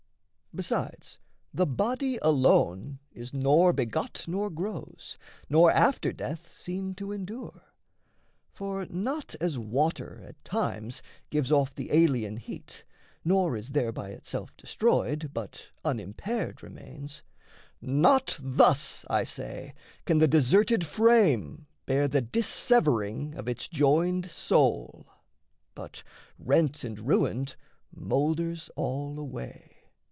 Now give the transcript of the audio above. Besides the body alone Is nor begot nor grows, nor after death Seen to endure. For not as water at times Gives off the alien heat, nor is thereby Itself destroyed, but unimpaired remains Not thus, I say, can the deserted frame Bear the dissevering of its joined soul, But, rent and ruined, moulders all away.